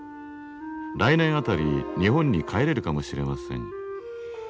来年あたり日本に帰れるかもしれません。